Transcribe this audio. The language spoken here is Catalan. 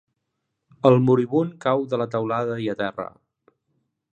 El moribund cau de la teulada i a terra.